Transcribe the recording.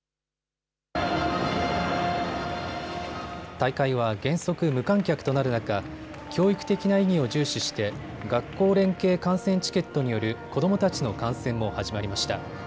大会は原則、無観客となる中、教育的な意義を重視して学校連携観戦チケットによる子どもたちの観戦も始まりました。